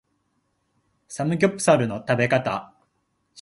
サムギョプサルの食べ方